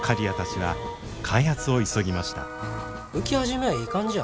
浮き始めはいい感じや。